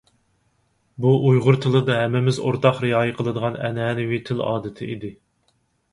بۇ ئۇيغۇر تىلىدا ھەممىمىز ئورتاق رىئايە قىلىدىغان ئەنئەنىۋى تىل ئادىتى ئىدى.